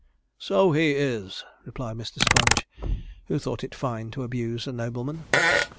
'So he is,' replied Mr. Sponge, who thought it fine to abuse a nobleman.